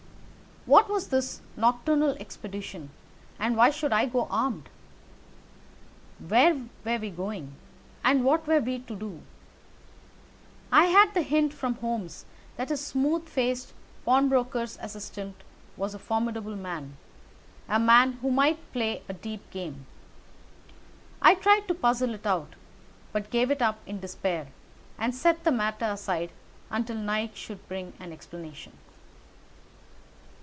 What was this nocturnal expedition, and why should I go armed? Where were we going, and what were we to do? I had the hint from Holmes that this smooth faced pawnbroker's assistant was a formidable man—a man who might play a deep game. I tried to puzzle it out, but gave it up in despair and set the matter aside until night should bring an explanation.